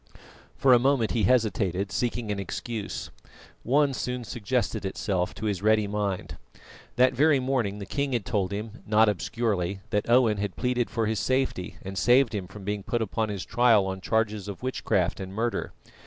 For a moment he hesitated, seeking an excuse. One soon suggested itself to his ready mind. That very morning the king had told him not obscurely that Owen had pleaded for his safety and saved him from being put upon his trial on charges of witchcraft and murder.